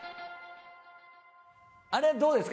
あれはどうですか？